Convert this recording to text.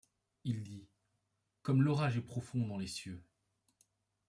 Il dit. :— Comme l’orage est profond dans les cieux !